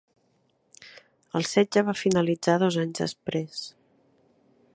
El setge va finalitzar dos anys després.